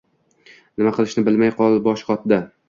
Nima qilishini bilmay boshi qotdi